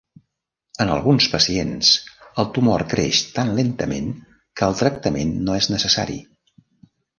En alguns pacients, el tumor creix tan lentament que el tractament no és necessari.